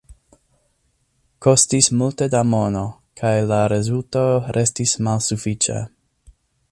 Kostis multe da mono, kaj la rezulto restis malsufiĉa.